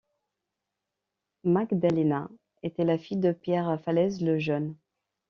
Magdalena était la fille de Pierre Phalèse le Jeune.